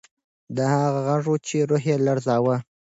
دا هغه غږ و چې روح یې لړزاوه.